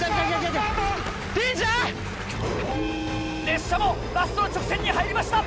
列車もラストの直線に入りました。